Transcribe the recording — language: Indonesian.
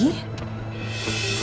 saya yang tewas